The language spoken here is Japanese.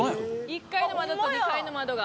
１階の窓と２階の窓が。